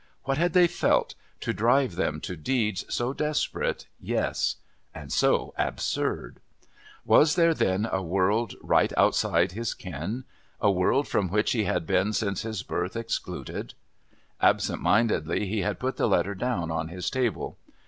What had they felt, to drive them to deeds so desperate, yes, and so absurd? Was there then a world right outside his ken, a world from which he had been since his birth excluded? Absent mindedly he had put the letter down on his table.